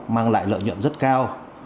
mang lại lợi nhuận rất cao